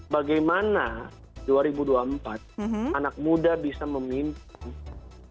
bagaimana dua ribu dua puluh empat anak muda bisa memimpin